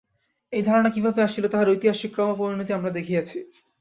এই ধারণা কিভাবে আসিল, তাহার ঐতিহাসিক ক্রম-পরিণতি আমরা দেখিয়াছি।